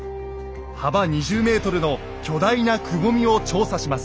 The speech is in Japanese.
幅２０ｍの巨大なくぼみを調査します。